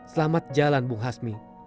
selamat jalan bung hasmi